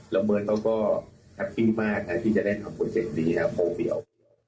แล้วเบิร์ตเขาก็กรอบไหวมากนะที่จะได้ทำโปรเจ็คต์นี้นะเบิว